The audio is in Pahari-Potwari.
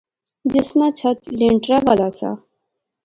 جس ناں چھت لینٹرے والا سا